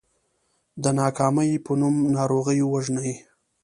د ناکامۍ په نوم ناروغي ووژنئ .